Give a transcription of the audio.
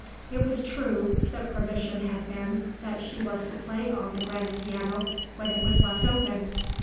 It was true, the permission had been that she was to play on the grand piano when it was left open.